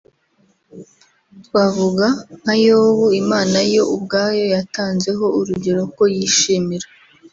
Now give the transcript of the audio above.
twavuga nka Yobu Imana yo ubwayo yatanze ho urugero ko yishimira